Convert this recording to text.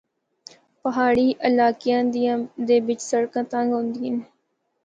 پہاڑی علاقیاں دے بچ سڑکاں تنگ ہوندیاں ہن۔